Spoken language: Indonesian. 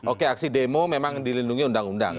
oke aksi demo memang dilindungi undang undang